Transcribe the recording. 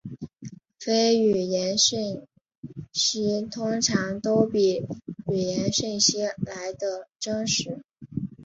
非语言讯息通常都比语言讯息来得真实。